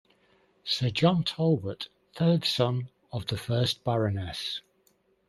Sir John Talbot, third son of the first Baroness.